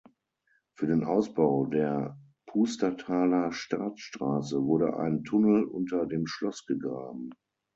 Für den Ausbau der Pustertaler Staatsstraße wurde ein Tunnel unter dem Schloss gegraben.